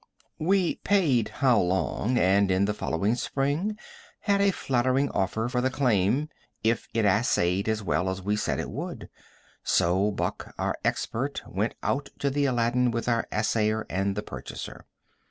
We paid How Long, and in the following spring had a flattering offer for the claim if it assayed as well as we said it would, so Buck, our expert, went out to the Aladdin with an assayer and the purchaser.